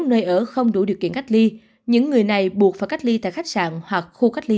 nơi ở không đủ điều kiện cách ly những người này buộc phải cách ly tại khách sạn hoặc khu cách ly